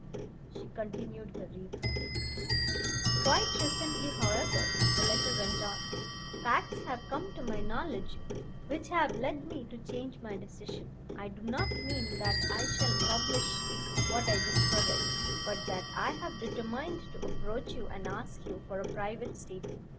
She continued her reading. Quite recently, however, (the letter went on) facts have come to my knowledge which have led me to change my decision. I do not mean that I shall publish what I discovered, but that I have determined to approach you and ask you for a private statement.